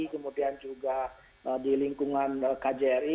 kemudian juga di lingkungan kjri